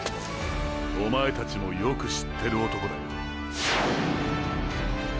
おまえたちもよく知ってる男だよ。